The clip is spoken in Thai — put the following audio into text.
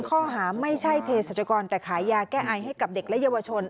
ข้อหาไม่ใช่เพศรัชกรแต่ขายยาแก้ไอให้กับเด็กและเยาวชน